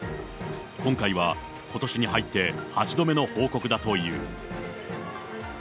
今回は、ことしに入って８度目の報告だという。